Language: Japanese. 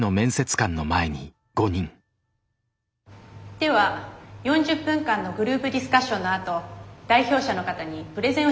では４０分間のグループディスカッションのあと代表者の方にプレゼンをして頂きます。